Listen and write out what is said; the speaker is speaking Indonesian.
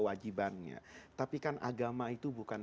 karena banyak orang mengatakan